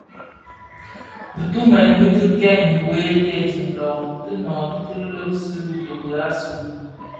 Dhitumèn di dhi kèn gwed dyèdin lō, ti nooti dhi lèèsi itoki asu.